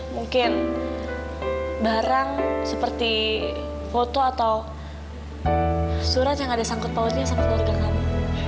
mungkin barang seperti foto atau surat yang ada sangkut pautnya sama keluarga kamu